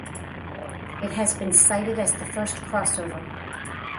It has been cited as the first crossover.